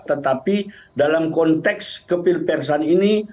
tetapi dalam konteks kepil persan ini